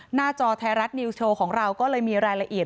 จอไทยรัฐนิวส์โชว์ของเราก็เลยมีรายละเอียด